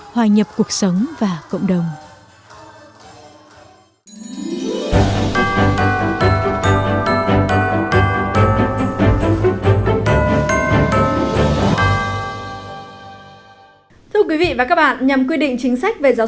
hòa nhập cuộc sống và cộng đồng